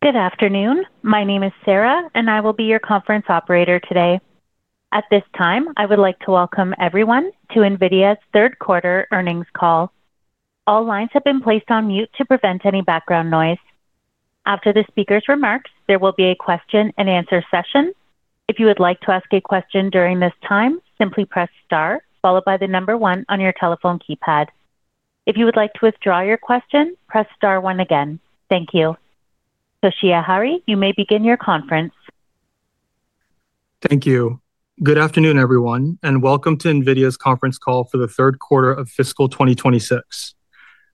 Good afternoon. My name is Sarah, and I will be your conference operator today. At this time, I would like to welcome everyone to NVIDIA's Third Quarter Earnings Call. All lines have been placed on mute to prevent any background noise. After the speaker's remarks, there will be a question-and-answer session. If you would like to ask a question during this time, simply press star, followed by the number one on your telephone keypad. If you would like to withdraw your question, press star one again. Thank you. Toshiya Hari, you may begin your conference. Thank you. Good afternoon, everyone, and welcome to NVIDIA's Conference Call for the Third Quarter of Fiscal 2026.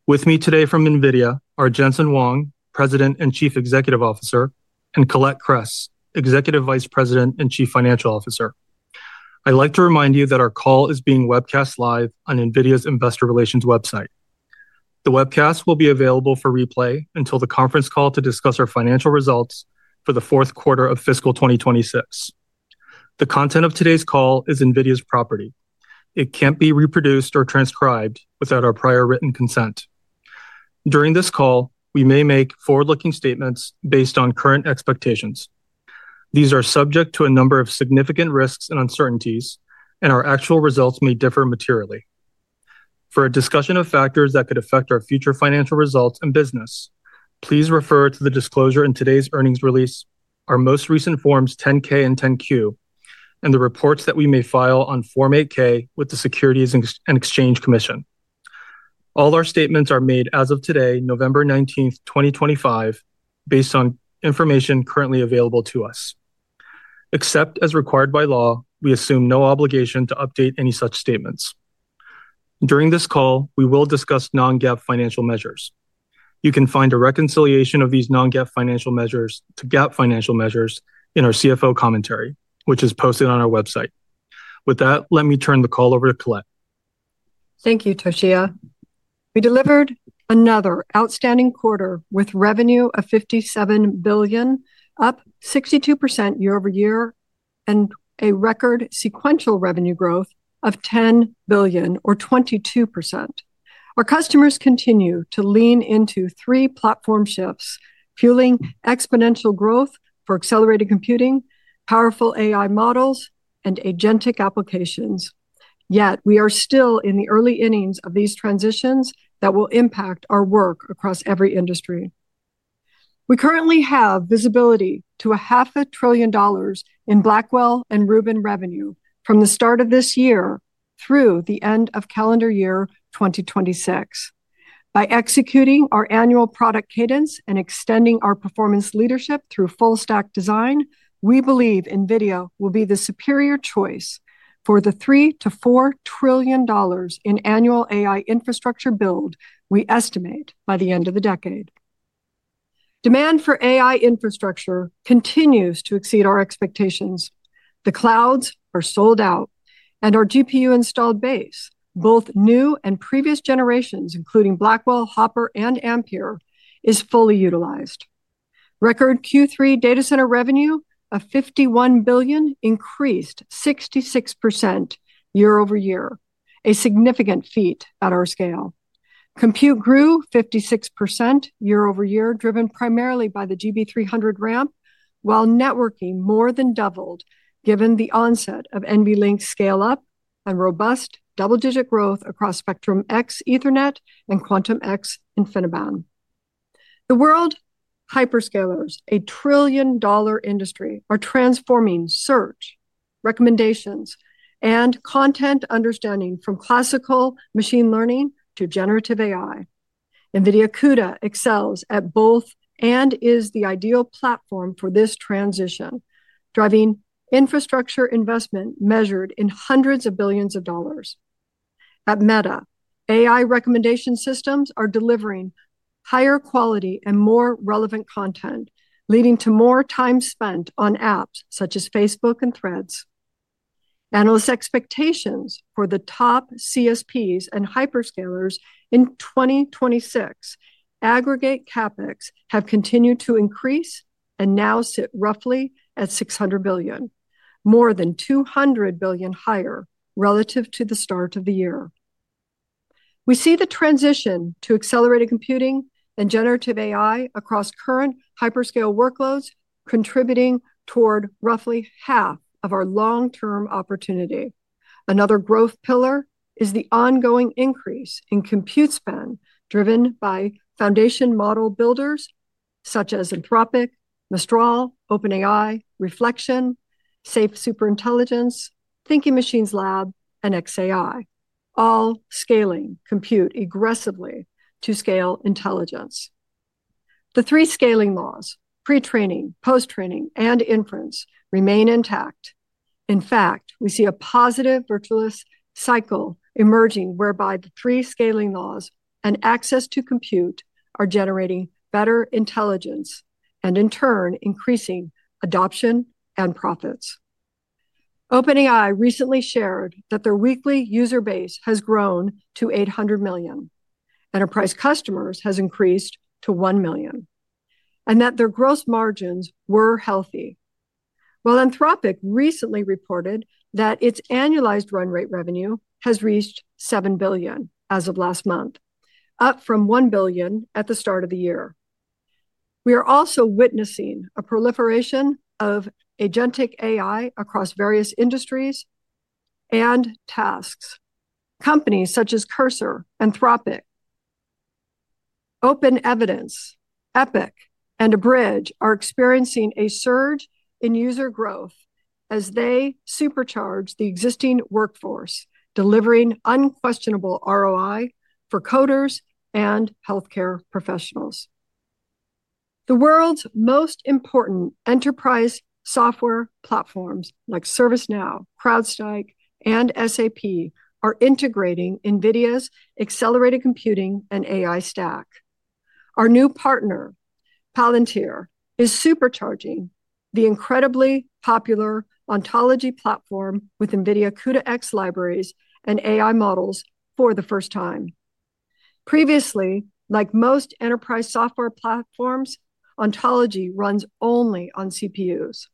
With me today from NVIDIA are Jensen Huang, President and Chief Executive Officer, and Colette Kress, Executive Vice President and Chief Financial Officer. I'd like to remind you that our call is being Webcast Live on NVIDIA's Investor Relations website. The webcast will be available for replay until the conference call to discuss our financial results for the 4th quarter of fiscal 2026. The content of today's call is NVIDIA's property. It can't be reproduced or transcribed without our prior written consent. During this call, we may make forward-looking statements based on current expectations. These are subject to a number of significant risks and uncertainties, and our actual results may differ materially. For a discussion of factors that could affect our future financial results and business, please refer to the disclosure in today's earnings release, our most recent forms 10-K and 10-Q, and the reports that we may file on Form 8-K with the Securities and Exchange Commission. All our statements are made as of today, November 19, 2025, based on information currently available to us. Except as required by law, we assume no obligation to update any such statements. During this call, we will discuss non-GAAP financial measures. You can find a reconciliation of these non-GAAP financial measures to GAAP financial measures in our CFO commentary, which is posted on our website. With that, let me turn the call over to Colette. Thank you, Toshiya. We delivered another outstanding quarter with revenue of $57 billion, up 62% year-over-year, and a record sequential revenue growth of $10 billion, or 22%. Our customers continue to lean into three platform shifts, fueling exponential growth for Accelerated Computing, powerful AI models, and Agentic applications. Yet, we are still in the early innings of these transitions that will impact our work across every industry. We currently have visibility to $500 billion in Blackwell and Rubin revenue from the start of this year through the end of Calendar Year 2026. By executing our annual product cadence and extending our Performance leadership through Full-stack Design, we believe NVIDIA will be the superior choice for the $3 trillion-$4 trillion in annual AI infrastructure build we estimate by the end of the decade. Demand for AI infrastructure continues to exceed our expectations. The clouds are sold out, and our GPU-installed base, both new and previous generations, including Blackwell, Hopper, and Ampere, is fully utilized. Record Q3 Data Center revenue of $51 billion increased 66% year-over-year, a significant feat at our scale. Compute grew 56% year-over-year, driven primarily by the GB300 ramp, while networking more than doubled given the onset of NVLink scale-up and robust Double-digit growth across Spectrum-X Ethernet and Quantum-X InfiniBand. The World Hyperscalers, a trillion-dollar industry, are transforming search, recommendations, and content understanding from Classical Machine Learning to Generative AI. NVIDIA CUDA excels at both and is the ideal platform for this transition, driving infrastructure investment measured in hundreds of billions of dollars. At Meta, AI recommendation systems are delivering higher quality and more relevant content, leading to more time spent on apps such as Facebook and Threads. Analyst expectations for the top CSPs and Hyperscalers in 2026 aggregate CapEx have continued to increase and now sit roughly at $600 billion, more than $200 billion higher relative to the start of the year. We see the transition to Accelerated Computing and Generative AI across current Hyperscale workloads contributing toward roughly half of our long-term opportunity. Another growth pillar is the ongoing increase in compute spend driven by foundation model builders such as Anthropic, Mistral, OpenAI, Reflection, Safe Superintelligence, Thinking Machines Lab, and xAI, all scaling compute aggressively to scale intelligence. The three scaling laws, Pre-training, Post-training, and Inference remain intact. In fact, we see a positive virtuous cycle emerging whereby the three scaling laws and access to compute are generating better intelligence and, in turn, increasing adoption and profits. OpenAI recently shared that their weekly user base has grown to $800 million, Enterprise customers have increased to 1 million, and that their gross margins were healthy. While Anthropic recently reported that its annualized run rate revenue has reached $7 billion as of last month, up from $1 billion at the start of the year. We are also witnessing a proliferation of Agentic AI across various industries and tasks. Companies such as Cursor, Anthropic, OpenEvidence, Epic, and Abridge are experiencing a surge in user growth as they supercharge the existing workforce, delivering unquestionable ROI for coders and healthcare professionals. The world's most important enterprise software platforms like ServiceNow, CrowdStrike, and SAP are integrating NVIDIA's Accelerated Computing and AI stack. Our new partner, Palantir, is supercharging the incredibly popular ontology platform with NVIDIA CUDA-X libraries and AI models for the 1st time. Previously, like most enterprise software platforms, Ontology runs only on CPUs.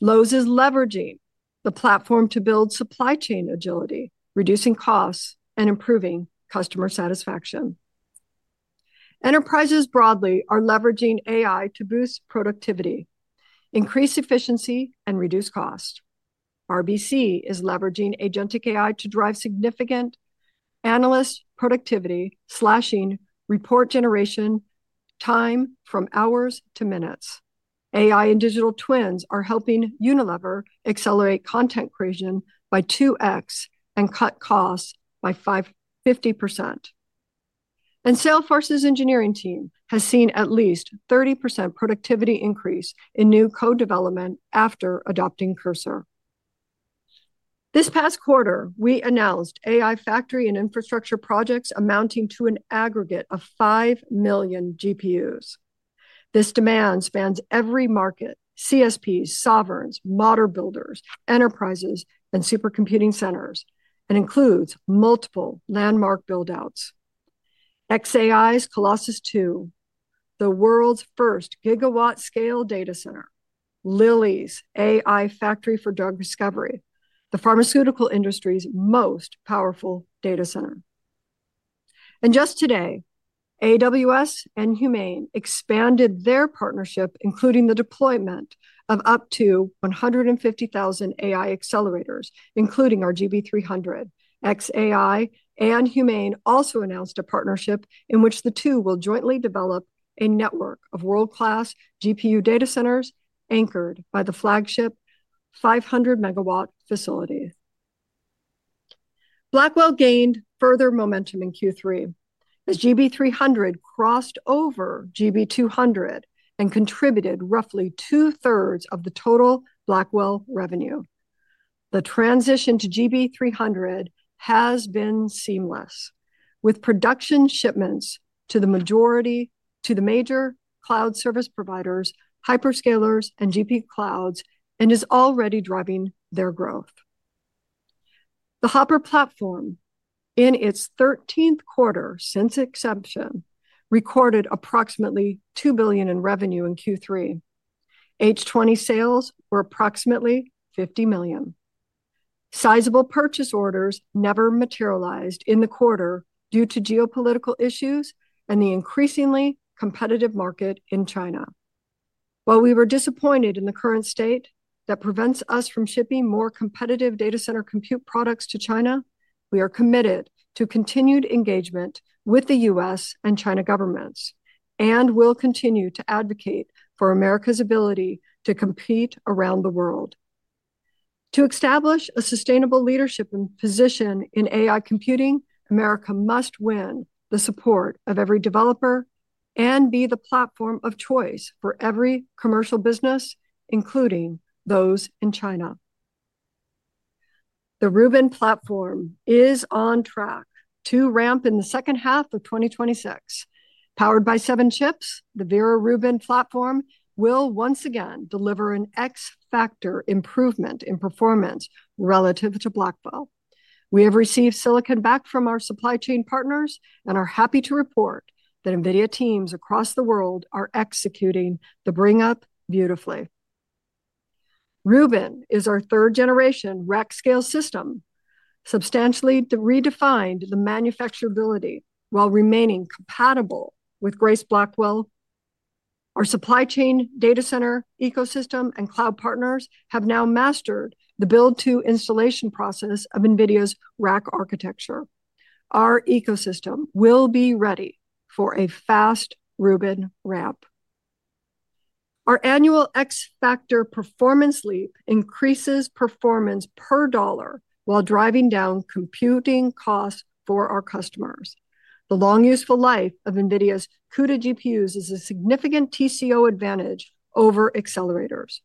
Lowe's is leveraging the platform to build supply chain agility, reducing costs and improving customer satisfaction. Enterprises broadly are leveraging AI to boost productivity, increase efficiency, and reduce costs. RBC is leveraging Agentic AI to drive significant Analyst Productivity, slashing report generation time from hours to minutes. AI and digital twins are helping Unilever accelerate content creation by 2x and cut costs by 50%. Salesforce's Engineering team has seen at least a 30% productivity increase in new code development after adopting Cursor. This past quarter, we announced AI factory and infrastructure projects amounting to an aggregate of 5 million GPUs. This demand spans every market: CSPs, Sovereigns, Model Builders, Enterprises, and Supercomputing Centers, and includes multiple landmark buildouts. xAI's Colossus 2, the world's 1st Gigawatt-scale Data Center, Lilly's AI factory for drug discovery, the pharmaceutical industry's most powerful Data Center. Just today, AWS and HUMAIN expanded their partnership, including the deployment of up to 150,000 AI accelerators, including our GB300. xAI and HUMAIN also announced a partnership in which the two will jointly develop a network of world-class Data Centers anchored by the flagship 500-megawatt facility. Blackwell gained further momentum in Q3 as GB300 crossed over GB200 and contributed roughly 2/3 of the total Blackwell revenue. The transition to GB300 has been seamless, with production shipments to the major Cloud Service providers, Hyperscalers, and GPU clouds, and is already driving their growth. The Hopper platform, in its 13th quarter since inception, recorded approximately $2 billion in revenue in Q3. H20 sales were approximately $50 million. Sizable purchase orders never materialized in the quarter due to geopolitical issues and the increasingly competitive market in China. While we were disappointed in the current state that prevents us from shipping more competitive Data Center compute products to China, we are committed to continued engagement with the U.S. and China governments and will continue to advocate for America's ability to compete around the world. To establish a sustainable leadership position in AI computing, America must win the support of every developer and be the platform of choice for every commercial business, including those in China. The Rubin platform is on track to ramp in the 2nd half of 2026. Powered by seven chips, the Vera Rubin platform will once again deliver an X-factor improvement in Performance relative to Blackwell. We have received silicon back from our supply chain partners and are happy to report that NVIDIA teams across the world are executing the bring-up beautifully. Rubin is our 3rd generation Rack-scale System, substantially redefined the manufacturability while remaining compatible with Grace Blackwell. Our Supply Chain Data Center Ecosystem and Cloud Partners have now mastered the Build-to-installation process of NVIDIA's Rack Architecture. Our ecosystem will be ready for a fast Rubin ramp. Our annual X-factor Performance leap increases Performance per dollar while driving down computing costs for our customers. The long useful life of NVIDIA's CUDA GPUs is a significant TCO advantage over accelerators.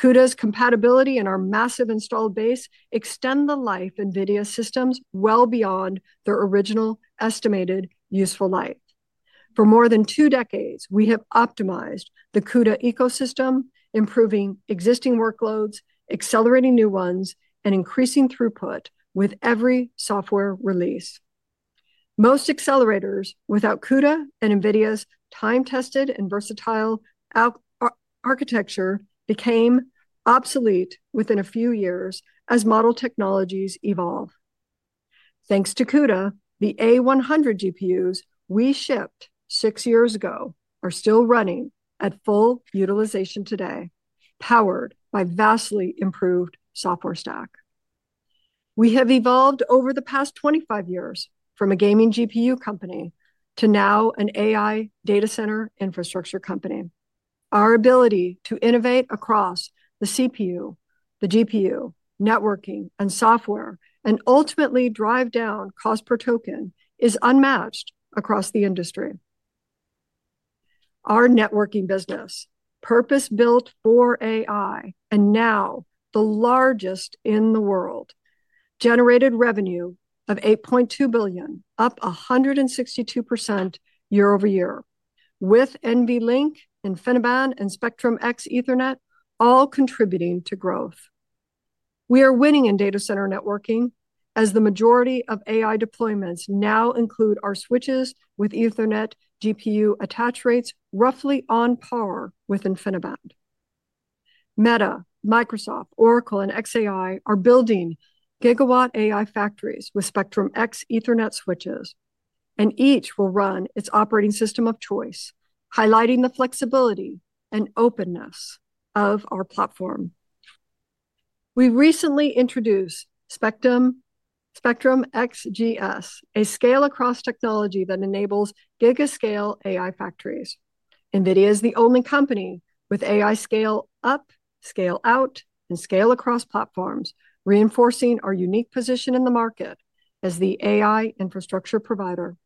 CUDA's compatibility and our massive installed base extend the life of NVIDIA systems well beyond their original estimated useful life. For more than two decades, we have optimized the CUDA ecosystem, improving existing workloads, accelerating new ones, and increasing throughput with every software release. Most accelerators without CUDA and NVIDIA's time-tested and versatile architecture became obsolete within a few years as model technologies evolve. Thanks to CUDA, the A100 GPUs we shipped six years ago are still running at full utilization today, powered by vastly improved software stack. We have evolved over the past 25 years from a Gaming GPU company to now an AI Data Center Infrastructure company. Our ability to innovate across the CPU, the GPU, networking, and software, and ultimately drive down cost per token, is unmatched across the industry. Our networking business, purpose-built for AI and now the largest in the world, generated revenue of $8.2 billion, up 162% year-over-year, with NVLink, InfiniBand, and Spectrum-X Ethernet all contributing to growth. We are winning in Data Center Networking as the majority of AI deployments now include our switches with Ethernet GPU attach rates roughly on par with InfiniBand. Meta, Microsoft, Oracle, and xAI are building GW AI factories with Spectrum-X Ethernet switches, and each will run its Operating System of choice, highlighting the flexibility and openness of our platform. We recently introduced Spectrum-XGS, a scale-across technology that enables gigascale AI factories. NVIDIA is the only company with AI Scale-up, Scale-out, and Scale-across platforms, reinforcing our unique position in the market as the AI infrastructure provider.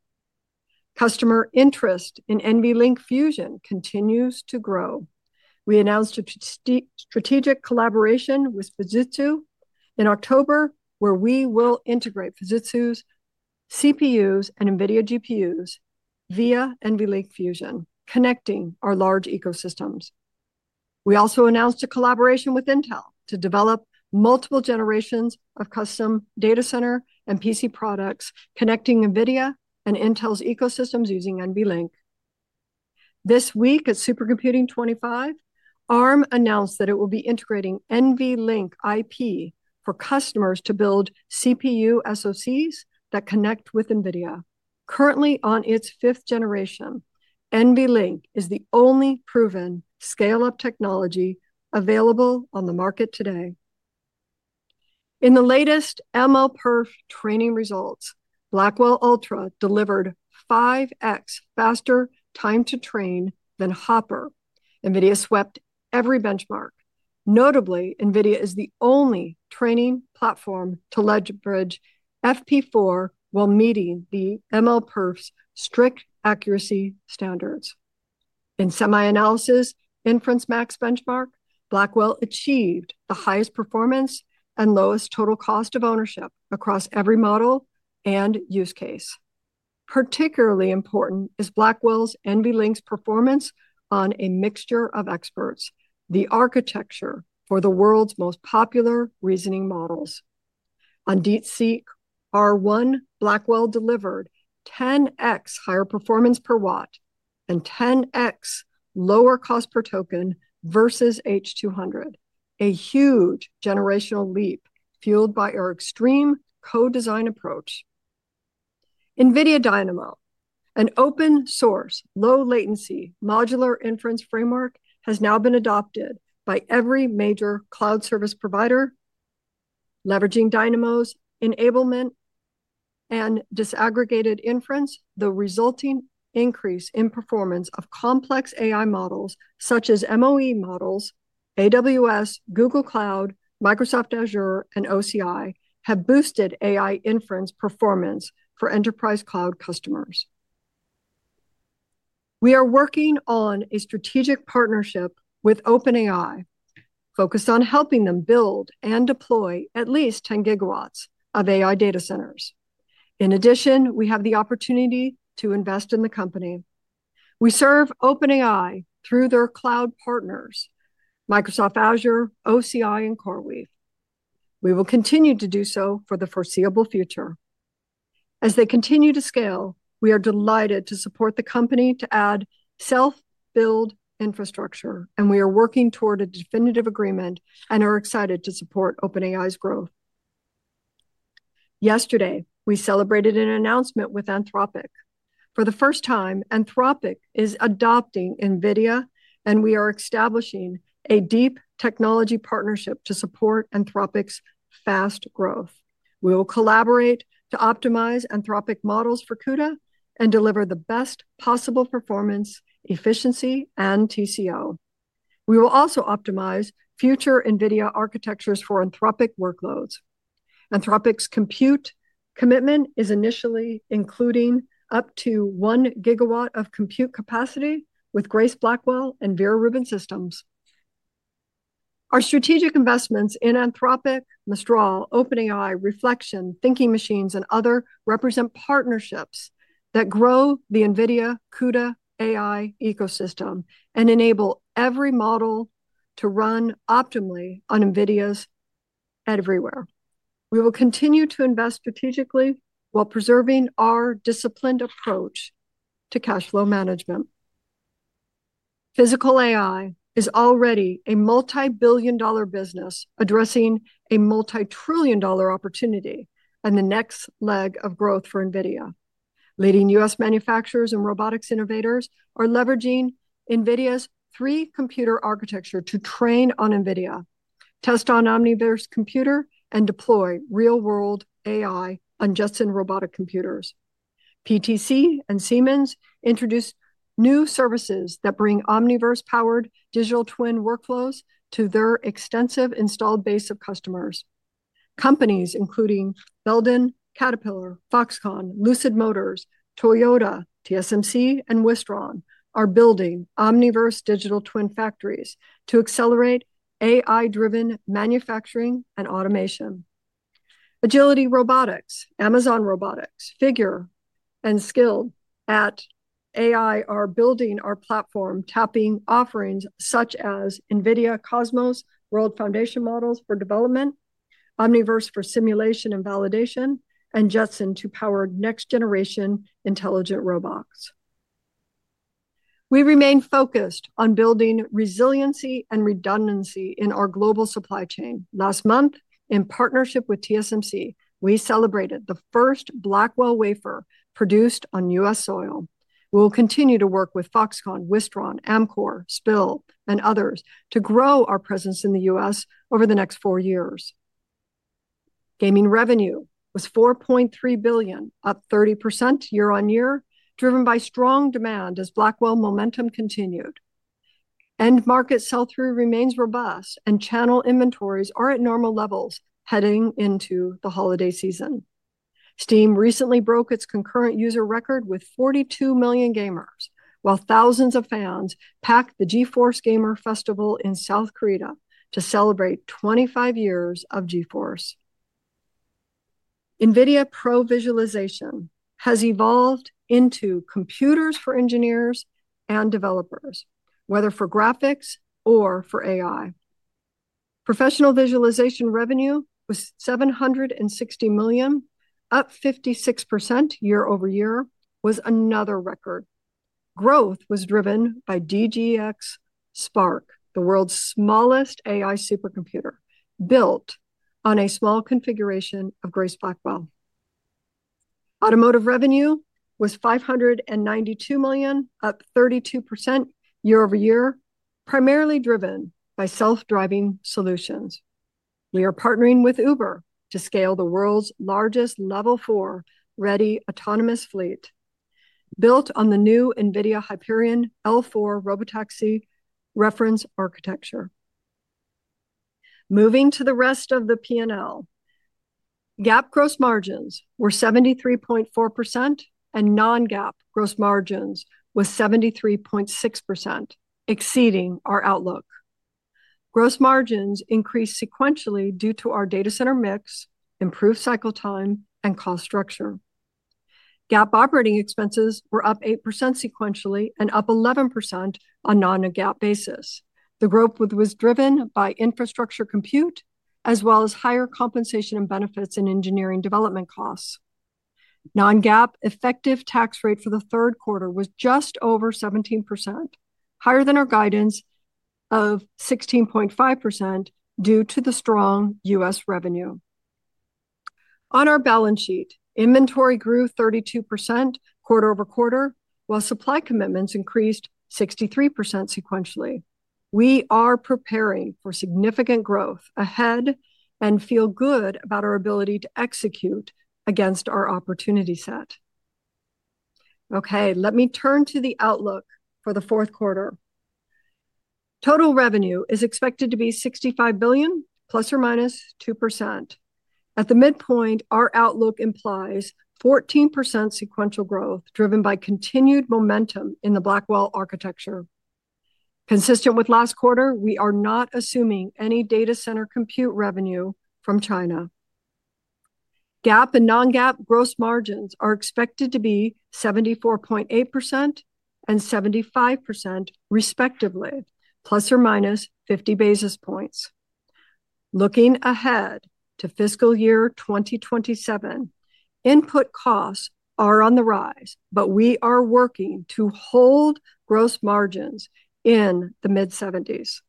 Customer interest in NVLink Fusion continues to grow. We announced a strategic collaboration with Fujitsu in October, where we will integrate Fujitsu's CPUs and NVIDIA GPUs via NVLink Fusion, connecting our large ecosystems. We also announced a collaboration with Intel to develop multiple generations of custom Data Center and PC products, connecting NVIDIA and Intel's ecosystems using NVLink. This week at Supercomputing 2025, Arm announced that it will be integrating NVLink IP for customers to build CPU SoCs that connect with NVIDIA. Currently on its 5th generation, NVLink is the only proven scale-up technology available on the market today. In the latest MLPerf Training Results, Blackwell Ultra delivered 5x faster time to train than Hopper. NVIDIA swept every benchmark. Notably, NVIDIA is the only training platform to leverage bridge FP4 while meeting MLPerf's strict accuracy standards. In semi-analysis Inference max benchmark, Blackwell achieved the highest Performance and lowest total cost of ownership across every model and use case. Particularly important is Blackwell's NVLink's Performance on a mixture of experts, the architecture for the world's most popular reasoning models. On DeepSeek-R1, Blackwell delivered 10x higher Performance per watt and 10x lower cost per token versus H200, a huge generational leap fueled by our extreme code design approach. NVIDIA Dynamo, an open-source, low-latency modular Inference framework, has now been adopted by every major cloud service provider. Leveraging Dynamo's enablement and disaggregated Inference, the resulting increase in Performance of Complex AI models such as MoE models, AWS, Google Cloud, Microsoft Azure, and OCI have boosted AI Inference Performance for Enterprise Cloud customers. We are working on a strategic partnership with OpenAI focused on helping them build and deploy at least 10 GW of Data Centers. in addition, we have the opportunity to invest in the company. We serve OpenAI through their cloud partners, Microsoft Azure, OCI, and CoreWeave. We will continue to do so for the foreseeable future. As they continue to scale, we are delighted to support the company to add self-build infrastructure, and we are working toward a definitive agreement and are excited to support OpenAI's growth. Yesterday, we celebrated an announcement with Anthropic. For the first time, Anthropic is adopting NVIDIA, and we are establishing a deep technology partnership to support Anthropic's fast growth. We will collaborate to optimize Anthropic models for CUDA and deliver the best possible Performance, efficiency, and TCO. We will also optimize future NVIDIA architectures for Anthropic workloads. Anthropic's compute commitment is initially including up to 1 GW of compute capacity with Grace Blackwell and Vera Rubin systems. Our strategic investments in Anthropic, Mistral, OpenAI, Reflection, Thinking Machines, and others represent partnerships that grow the NVIDIA CUDA AI ecosystem and enable every model to run optimally on NVIDIA's everywhere. We will continue to invest strategically while preserving our disciplined approach to cash flow management. Physical AI is already a multi-billion dollar business addressing a multi-trillion dollar opportunity and the next leg of growth for NVIDIA. Leading U.S. Manufacturers and robotics innovators are leveraging NVIDIA's three-computer architecture to train on NVIDIA, test on Omniverse computer, and deploy real-world AI on Jetson robotic computers. PTC and Siemens introduced new services that bring Omniverse-powered digital twin workflows to their extensive installed base of customers. Companies including Belden, Caterpillar, Foxconn, Lucid Motors, Toyota, TSMC, and Wistron are building Omniverse Digital Twin factories to accelerate AI-driven manufacturing and automation. Agility Robotics, Amazon Robotics, Figure, and Skilled at AI are building our platform, tapping offerings such as NVIDIA Cosmos World Foundation Models for development, Omniverse for simulation and validation, and Jetson to power Next-generation Intelligent Robots. We remain focused on building resiliency and redundancy in our Global Supply Chain. Last month, in partnership with TSMC, we celebrated the 1st Blackwell Wafer produced on U.S. soil. We will continue to work with Foxconn, Wistron, Amcor, Spill, and others to grow our presence in the U.S. over the next four years. Gaming revenue was $4.3 billion, up 30% year-on-year, driven by strong demand as Blackwell momentum continued. End-market sell-through remains robust, and channel inventories are at normal levels heading into the holiday season. Steam recently broke its concurrent user record with 42 million gamers, while thousands of fans packed the GeForce Gamer Festival in South Korea to celebrate 25 years of GeForce. NVIDIA Pro Visualization has evolved into computers for Engineers and developers, whether for graphics or for AI. Professional visualization revenue was $760 million, up 56% year-over-year, was another record. Growth was driven by DGX Spark, the world's smallest AI Supercomputer built on a small configuration of Grace Blackwell. Automotive revenue was $592 million, up 32% year-over-year, primarily driven by self-driving solutions. We are partnering with Uber to scale the world's largest Level 4 ready autonomous fleet, built on the new NVIDIA Hyperion L4 Robotaxi reference architecture. Moving to the rest of the P&L, GAAP gross margins were 73.4%, and non-GAAP gross margins were 73.6%, exceeding our outlook. Gross margins increased sequentially due to our Data Center mix, improved cycle time, and cost structure. GAAP Operating Expenses were up 8% sequentially and up 11% on a non-GAAP basis. The growth was driven by infrastructure compute as well as higher compensation and benefits in Engineering development costs. Non-GAAP effective tax rate for the 3rd quarter was just over 17%, higher than our guidance of 16.5% due to the strong U.S. revenue. On our Balance Sheet, inventory grew 32% quarter-over-quarter, while supply commitments increased 63% sequentially. We are preparing for significant growth ahead and feel good about our ability to execute against our opportunity set. Okay, let me turn to the outlook for the 4th quarter. Total revenue is expected to be $65 billion, ±2%. At the midpoint, our outlook implies 14% sequential growth driven by continued momentum in the Blackwell architecture. Consistent with last quarter, we are not assuming any Data Center compute revenue from China. GAAP and non-GAAP gross margins are expected to be 74.8% and 75% respectively, ±50 basis points. Looking ahead to fiscal year 2027, input costs are on the rise, but we are working to hold gross margins in the mid-70s.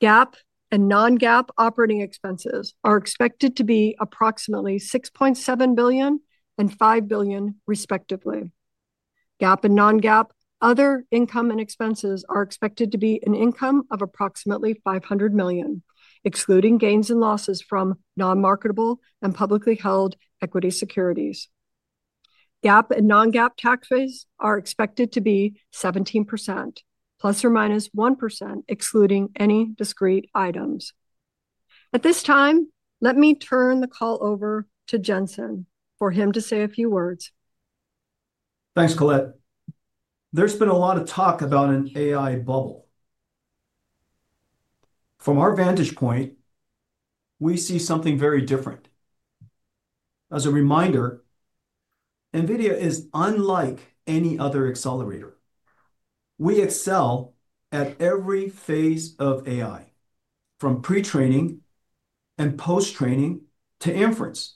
GAAP and non-GAAP Operating Expenses are expected to be approximately $6.7 billion and $5 billion respectively. GAAP and non-GAAP other income and expenses are expected to be an income of approximately $500 million, excluding gains and losses from non-marketable and publicly held equity securities. GAAP and non-GAAP tax rates are expected to be 17%, ±1%, excluding any discrete items. At this time, let me turn the call over to Jensen for him to say a few words. Thanks, Colette. There has been a lot of talk about an AI bubble. From our vantage point, we see something very different. As a reminder, NVIDIA is unlike any other accelerator. We excel at every phase of AI, from Pre-training and Post-training to Inference.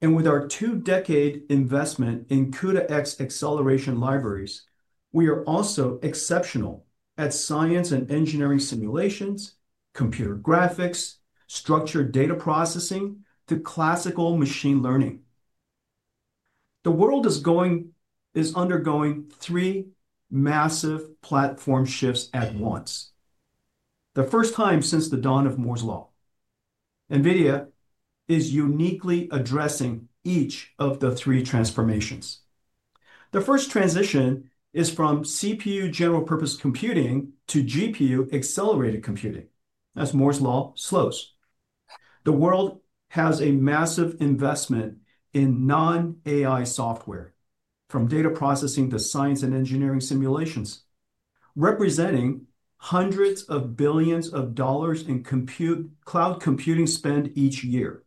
With our two-decade investment in CUDA-X acceleration libraries, we are also exceptional at Science and Engineering Simulations, Computer Graphics, Structured Data Processing to Classical Machine Learning. The world is undergoing three massive platform shifts at once, the 1st time since the Dawn of Moore's Law. NVIDIA is uniquely addressing each of the three transformations. The 1st transition is from CPU General-purpose Computing to GPU Accelerated Computing as Moore's Law slows. The world has a massive investment in non-AI software, from data processing to Science and Engineering Simulations, representing hundreds of billions of dollars in compute cloud computing spend each year.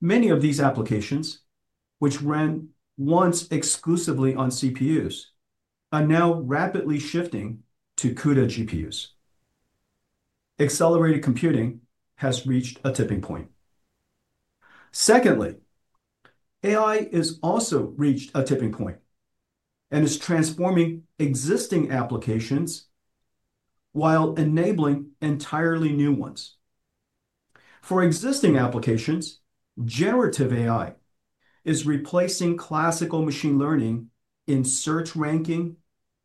Many of these applications, which ran once exclusively on CPUs, are now rapidly shifting to CUDA GPUs. Accelerated Computing has reached a tipping point. Secondly, AI has also reached a tipping point and is transforming existing applications while enabling entirely new ones. For existing applications, Generative AI is replacing Classical Machine Learning in search ranking,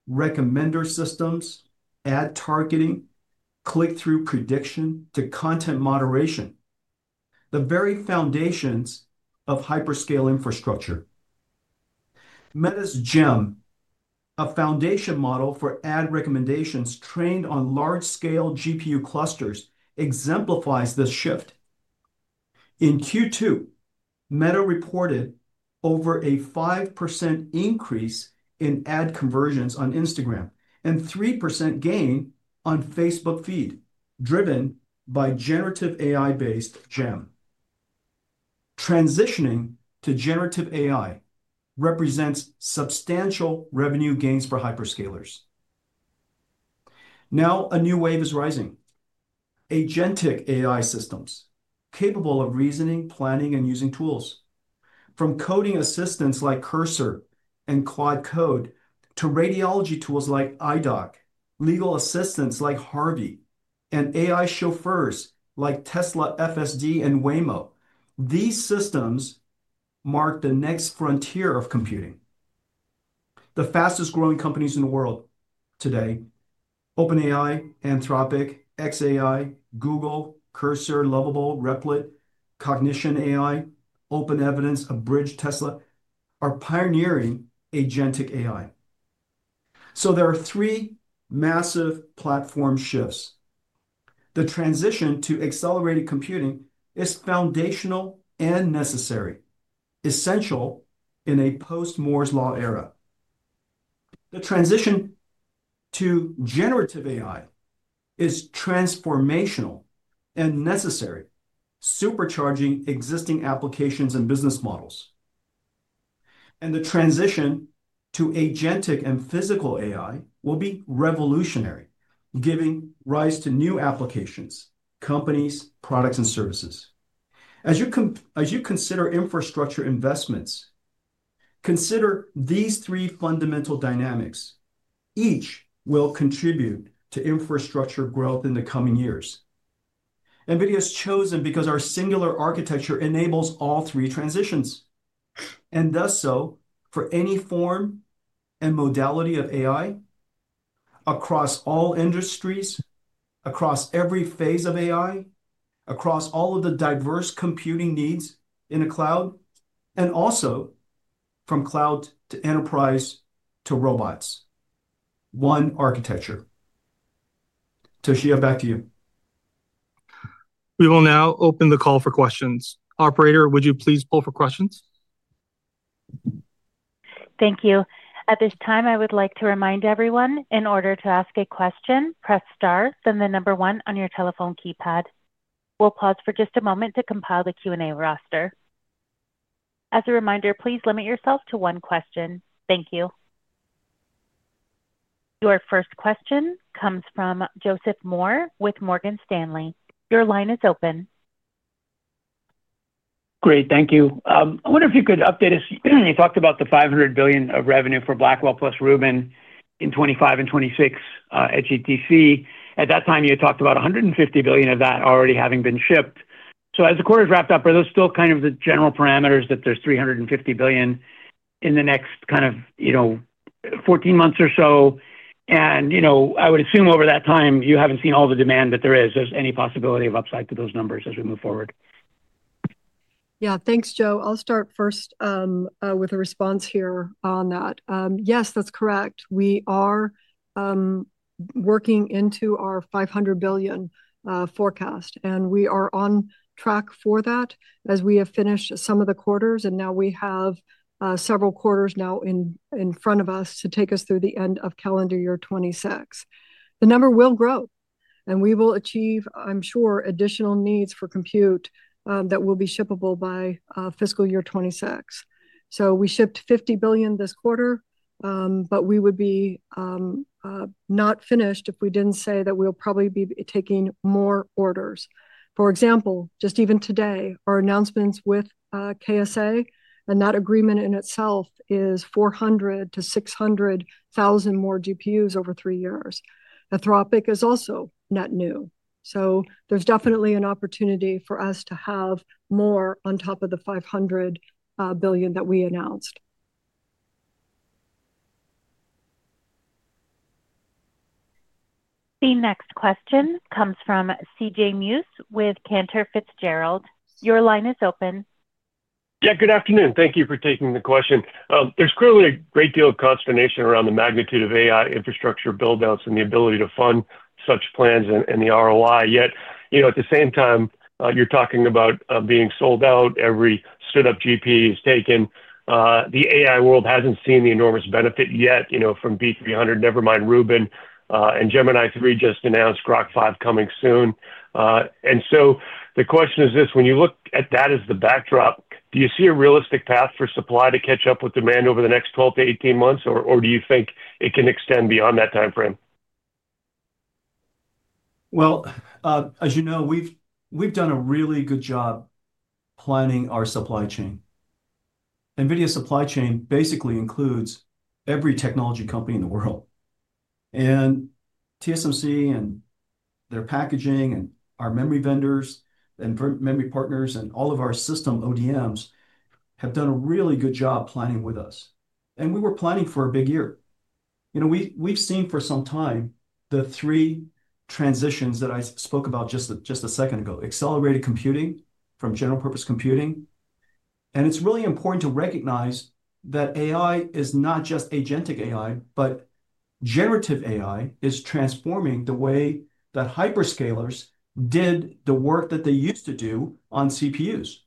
Recommender Systems, ad targeting, click-through prediction to content moderation, the very foundations of Hyperscale Infrastructure. Meta's Gem, a foundation model for Ad recommendations trained on large-scale GPU clusters, exemplifies this shift. In Q2, Meta reported over a 5% increase in Ad conversions on Instagram and 3% gain on Facebook feed, driven by Generative AI-based Gem. Transitioning to Generative AI represents substantial revenue gains for Hyperscalers. Now, a new wave is rising: Agentic AI systems capable of reasoning, planning, and using tools. From coding assistants like Cursor and Claude Code to radiology tools like iDoc, legal assistants like Harvey, and AI chauffeurs like Tesla FSD and Waymo, these systems mark the next frontier of computing. The fastest-growing companies in the world today—OpenAI, Anthropic, xAI, Google, Cursor, Lovable, Replit, Cognition AI, OpenEvidence, Abridge, Tesla—are pioneering Agentic AI. There are three massive platform shifts. The transition to Accelerated Computing is foundational and necessary, essential in a Post-Moore's Law era. The transition to Generative AI is transformational and necessary, supercharging existing applications and business models. The transition to Agentic and Physical AI will be revolutionary, giving rise to new applications, companies, products, and services. As you consider infrastructure investments, consider these three fundamental dynamics. Each will contribute to infrastructure growth in the coming years. NVIDIA is chosen because our singular architecture enables all three transitions, and thus so for any form and modality of AI across all industries, across every phase of AI, across all of the diverse computing needs in a cloud, and also from cloud to enterprise to robots. One architecture. Toshiya, back to you. We will now open the call for questions. Operator, would you please pull for questions? Thank you. At this time, I would like to remind everyone in order to ask a question, press star, then the number one on your telephone keypad. We'll pause for just a moment to compile the Q&A roster. As a reminder, please limit yourself to one question. Thank you. Your first question comes from Joseph Moore with Morgan Stanley. Your line is open. Great. Thank you. I wonder if you could update us. You talked about the $500 billion of revenue for Blackwell plus Rubin in 2025 and 2026 at GTC. At that time, you had talked about $150 billion of that already having been shipped. As the quarter's wrapped up, are those still kind of the general parameters that there's $350 billion in the next kind of 14 months or so? I would assume over that time, you haven't seen all the demand, but there is any possibility of upside to those numbers as we move forward. Yeah. Thanks, Joe. I'll start first with a response here on that. Yes, that's correct. We are working into our $500 billion forecast, and we are on track for that as we have finished some of the quarters. We have several quarters now in front of us to take us through the end of Calendar Year 2026. The number will grow, and we will achieve, I'm sure, additional needs for compute that will be shippable by fiscal year 2026. We shipped $50 billion this quarter, but we would be not finished if we did not say that we will probably be taking more orders. For example, just even today, our announcements with KSA and that agreement in itself is 400,000-600,000 more GPUs over three years. Anthropic is also not new. There is definitely an opportunity for us to have more on top of the $500 billion that we announced. The next question comes from CJ Muse with Cantor Fitzgerald. Your line is open. Yeah. Good afternoon. Thank you for taking the question. There's clearly a great deal of consternation around the magnitude of AI infrastructure buildouts and the ability to fund such plans and the ROI. Yet at the same time, you're talking about being sold out. Every stood-up GPU is taken. The AI world hasn't seen the enormous benefit yet from B300, never mind Rubin. Gemini 3 just announced Grok 5 coming soon. The question is this: when you look at that as the backdrop, do you see a realistic path for supply to catch up with demand over the next 12-18 months, or do you think it can extend beyond that timeframe? As you know, we've done a really good job planning our supply chain. NVIDIA's supply chain basically includes every technology company in the world. TSMC and their packaging and our memory vendors and memory partners and all of our System ODMs have done a really good job planning with us. We were planning for a big year. We've seen for some time the three transitions that I spoke about just a second ago: Accelerated Computing from General-purpose Computing. It's really important to recognize that AI is not just Agentic AI, but Generative AI is transforming the way that Hyperscalers did the work that they used to do on CPUs.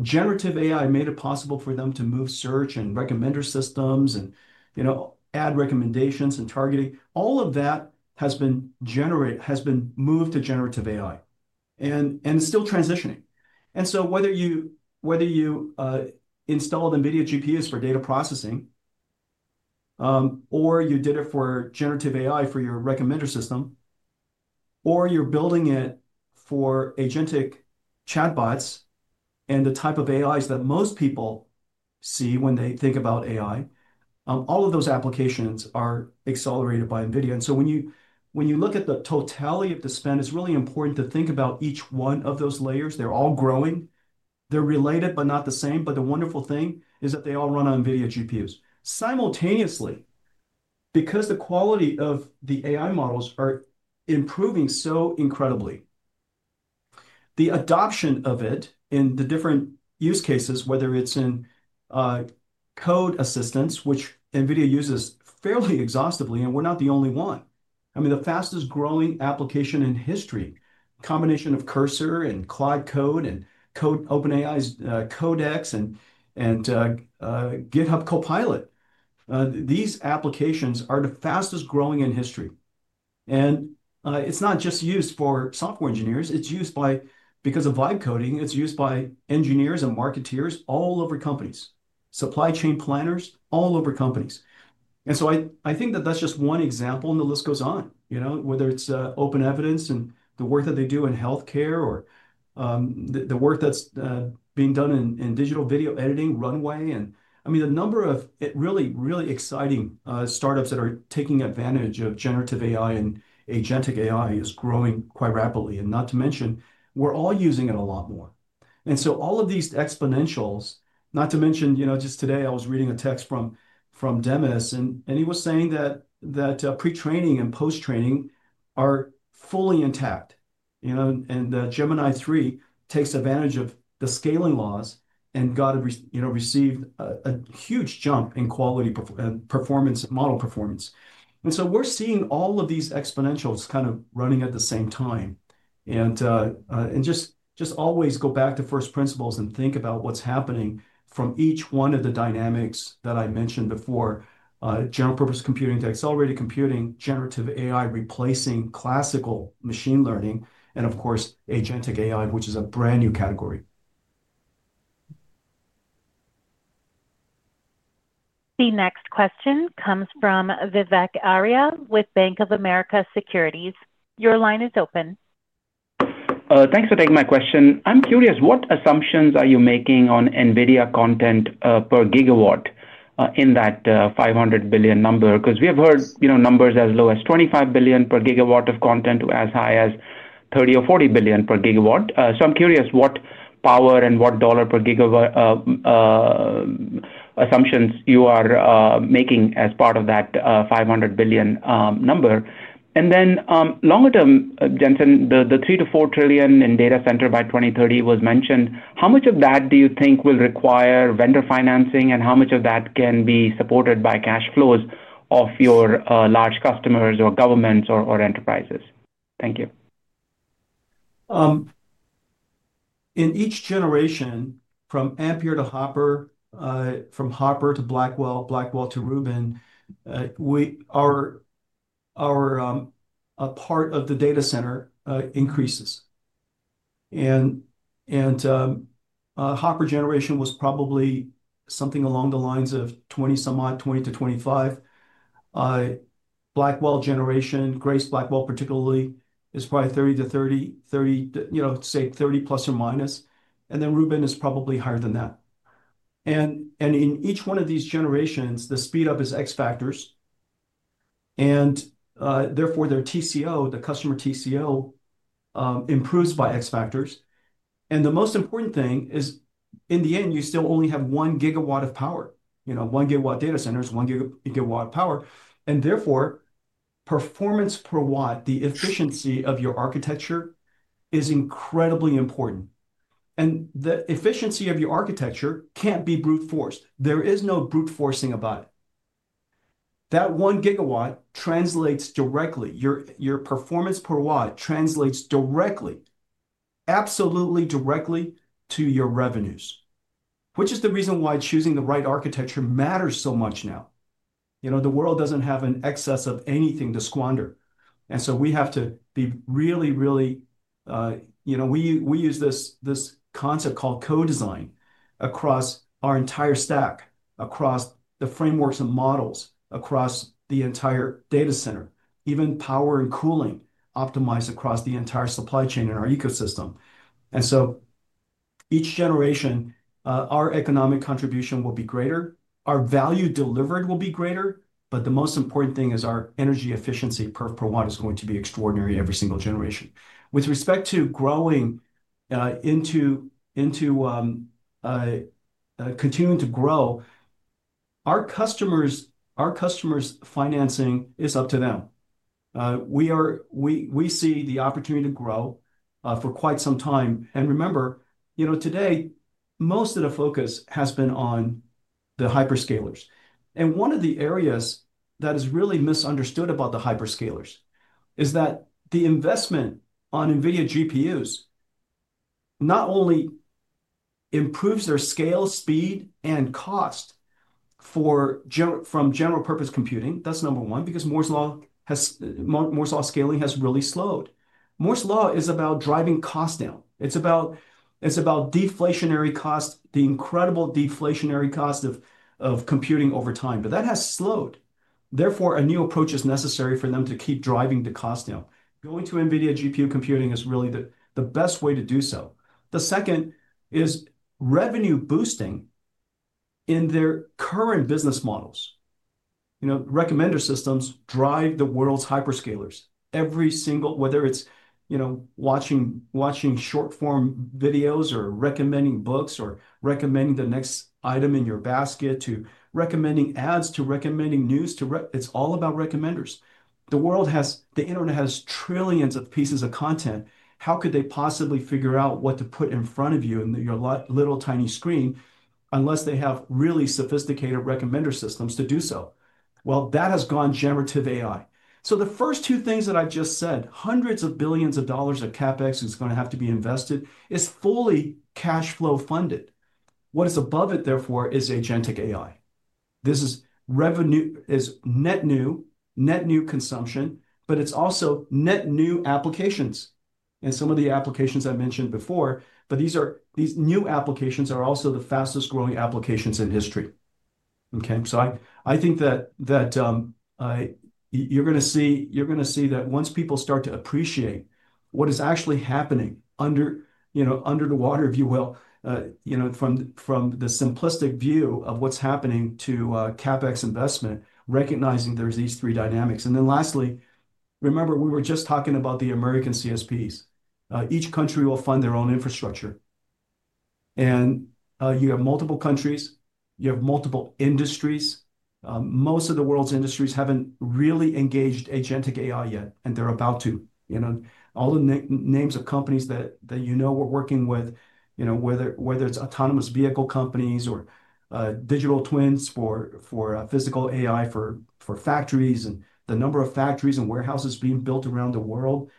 Generative AI made it possible for them to move search and Recommender Systems and add recommendations and targeting. All of that has been moved to Generative AI and is still transitioning. Whether you installed NVIDIA GPUs for data processing, or you did it for Generative AI for your recommender system, or you're building it for Agentic chatbots and the type of AIs that most people see when they think about AI, all of those applications are accelerated by NVIDIA. When you look at the totality of the spend, it's really important to think about each one of those layers. They're all growing. They're related, but not the same. The wonderful thing is that they all run on NVIDIA GPUs. Simultaneously, because the quality of the AI models are improving so incredibly, the adoption of it in the different use cases, whether it's in code assistance, which NVIDIA uses fairly exhaustively, and we're not the only one. I mean, the fastest-growing application in history, a combination of Cursor and Claude Code and OpenAI's Codex and GitHub Copilot, these applications are the fastest-growing in history. It's not just used for software Engineers. It's used because of Vibe Coding. It's used by Engineers and Marketeers all over companies, Supply Chain Planners all over companies. I think that that's just one example, and the list goes on, whether it's OpenEvidence and the work that they do in healthcare or the work that's being done in digital video editing, runway. I mean, the number of really, really exciting startups that are taking advantage of Generative AI and Agentic AI is growing quite rapidly. Not to mention, we're all using it a lot more. All of these exponentials, not to mention, just today, I was reading a text from Demis, and he was saying that Pre-training and Post-training are fully intact. Gemini 3 takes advantage of the scaling laws and got a received a huge jump in quality Performance and model Performance. We are seeing all of these exponentials kind of running at the same time. I just always go back to first principles and think about what's happening from each one of the dynamics that I mentioned before: General-purpose Computing to Accelerated Computing, Generative AI replacing Classical Machine Learning, and of course, Agentic AI, which is a brand new category. The next question comes from Vivek Arya with Bank of America Securities. Your line is open. Thanks for taking my question. I'm curious, what assumptions are you making on NVIDIA content per GW in that $500 billion number? Because we have heard numbers as low as $25 billion per GW of content to as high as $30 or $40 billion per GW. I am curious what power and what dollar per GW assumptions you are making as part of that $500 billion number. Longer-term, Jensen, the $3-$4 trillion in Data Center by 2030 was mentioned. How much of that do you think will require Vendor Financing, and how much of that can be supported by cash flows of your large customers or governments or enterprises? Thank you. In each generation, from Ampere to Hopper, from Hopper to Blackwell, Blackwell to Rubin, our part of the Data Center increases. Hopper generation was probably something along the lines of 20-somewhat, 2020-2025. Blackwell generation, Grace Blackwell particularly, is probably 2030-2030, say 2030±. Rubin is probably higher than that. In each one of these generations, the speedup is X factors. Therefore, their TCO, the customer TCO, improves by X factors. The most important thing is, in the end, you still only have one GW of power, one Data Centers, one GW of power. Therefore, Performance per watt, the efficiency of your architecture, is incredibly important. The efficiency of your architecture can't be brute forced. There is no brute forcing about it. That one GW translates directly, your Performance per watt translates directly, absolutely directly to your revenues, which is the reason why choosing the right architecture matters so much now. The world doesn't have an excess of anything to squander. We have to be really, really—we use this concept called co-design across our entire stack, across the frameworks and models, across the entire Data Center, even power and cooling optimized across the entire supply chain in our ecosystem. Each generation, our economic contribution will be greater. Our value delivered will be greater. The most important thing is our energy efficiency per watt is going to be extraordinary every single generation. With respect to growing into continuing to grow, our customers' financing is up to them. We see the opportunity to grow for quite some time. Remember, today, most of the focus has been on the Hyperscalers. One of the areas that is really misunderstood about the Hyperscalers is that the investment on NVIDIA GPUs not only improves their scale, speed, and cost General-purpose Computing—that is number one—because Moore's Law scaling has really slowed. Moore's Law is about driving cost down. It's about deflationary cost, the incredible deflationary cost of computing over time. That has slowed. Therefore, a new approach is necessary for them to keep driving the cost down. Going to NVIDIA GPU computing is really the best way to do so. The second is revenue boosting in their current business models. Recommender Systems drive the world's Hyperscalers every single, whether it's watching short-form videos or recommending books or recommending the next item in your basket to recommending ads to recommending news to—it's all about Recommenders. The internet has trillions of pieces of content. How could they possibly figure out what to put in front of you and your little tiny screen unless they have really sophisticated Recommender Systems to do so? That has gone Generative AI. The 1st two things that I've just said, hundreds of billions of dollars of CapEx is going to have to be invested, is fully cash flow funded. What is above it, therefore, is Agentic AI. This is net new, net new consumption, but it's also net new applications. And some of the applications I mentioned before, but these new applications are also the fastest-growing applications in history. Okay? I think that you're going to see that once people start to appreciate what is actually happening under the water, if you will, from the simplistic view of what's happening to CapEx investment, recognizing there's these three dynamics. Lastly, remember, we were just talking about the American CSPs. Each country will fund their own infrastructure. You have multiple countries. You have multiple industries. Most of the world's industries haven't really engaged Agentic AI yet, and they're about to. All the names of companies that you know we're working with, whether it's Autonomous Vehicle companies or Digital Twins for Physical AI for factories and the number of factories and warehouses being built around the world,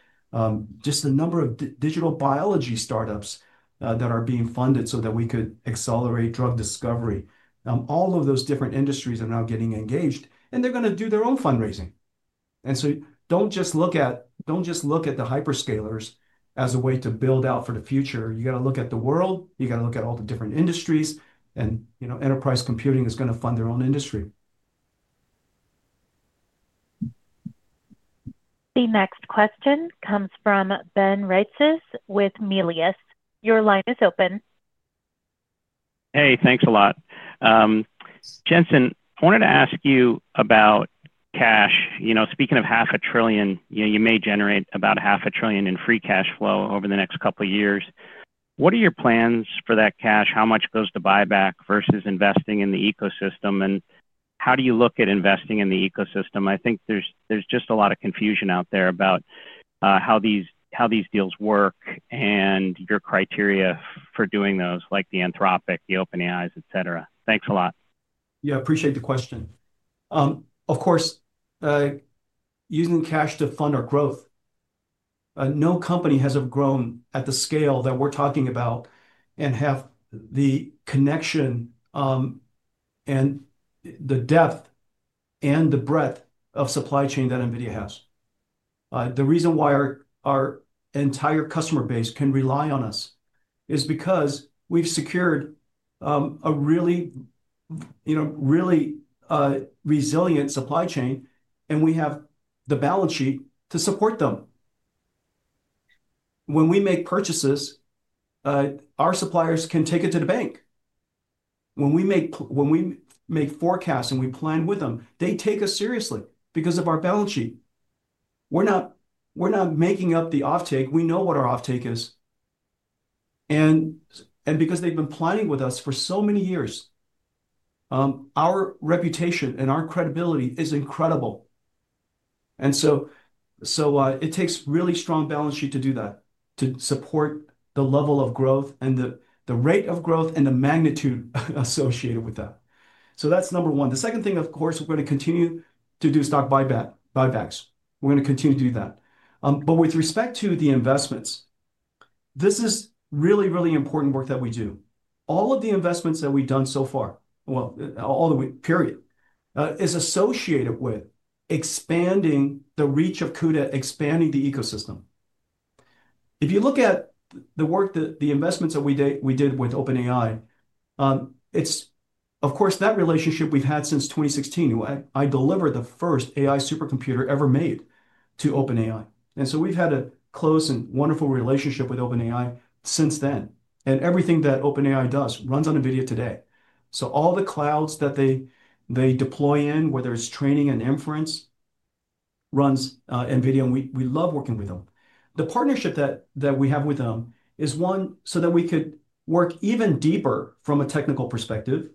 just the number of Digital Biology Startups that are being funded so that we could accelerate drug discovery. All of those different industries are now getting engaged, and they're going to do their own fundraising. Do not just look at the Hyperscalers as a way to build out for the future. You got to look at the world. You got to look at all the different industries. Enterprise computing is going to fund their own industry. The next question comes from Ben Reitzes with Melius. Your line is open. Hey, thanks a lot. Jensen, I wanted to ask you about cash. Speaking of half a trillion, you may generate about half a trillion in Free Cash Flow over the next couple of years. What are your plans for that cash? How much goes to buyback versus investing in the ecosystem? How do you look at investing in the ecosystem? I think there's just a lot of confusion out there about how these deals work and your criteria for doing those, like the Anthropic, the OpenAIs, etc. Thanks a lot. Yeah, appreciate the question. Of course, using cash to fund our growth, no company has grown at the scale that we're talking about and have the connection and the depth and the breadth of supply chain that NVIDIA has. The reason why our entire customer base can rely on us is because we've secured a really resilient supply chain, and we have the Balance Sheet to support them. When we make purchases, our suppliers can take it to the bank. When we make forecasts and we plan with them, they take us seriously because of our Balance Sheet. We're not making up the offtake. We know what our offtake is. Because they've been planning with us for so many years, our reputation and our credibility is incredible. It takes really strong Balance Sheet to do that, to support the level of growth and the rate of growth and the magnitude associated with that. That's number one. The second thing, of course, we're going to continue to do stock buybacks. We're going to continue to do that. With respect to the investments, this is really, really important work that we do. All of the investments that we've done so far, well, all the period, is associated with expanding the reach of CUDA, expanding the ecosystem. If you look at the work, the investments that we did with OpenAI, it's, of course, that relationship we've had since 2016. I delivered the 1st AI Supercomputer ever made to OpenAI. We have had a close and wonderful relationship with OpenAI since then. Everything that OpenAI does runs on NVIDIA today. All the clouds that they deploy in, whether it's training and Inference, runs NVIDIA, and we love working with them. The partnership that we have with them is one so that we could work even deeper from a technical perspective